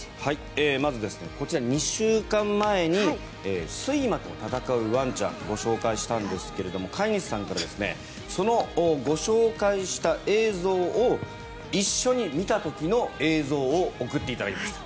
まず、こちら２週間前に睡魔と闘うワンちゃんご紹介したんですけれども飼い主さんからそのご紹介した映像を一緒に見た時の映像を送っていただきました。